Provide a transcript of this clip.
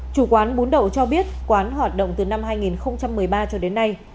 chủ quán bún đậu cho biết quán hoạt động từ năm hai nghìn một mươi ba cho đến nay